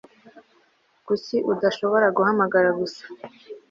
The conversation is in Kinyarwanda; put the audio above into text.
Kuki udashobora guhamagara gusa